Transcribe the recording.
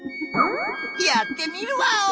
やってみるワオ！